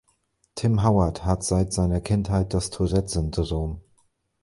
Tim Howard hat seit seiner Kindheit das Tourette-Syndrom.